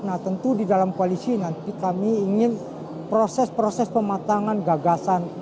nah tentu di dalam koalisi nanti kami ingin proses proses pematangan gagasan